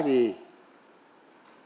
nó phá đường